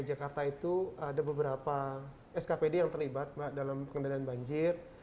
di jakarta itu ada beberapa skpd yang terlibat dalam pengendalian banjir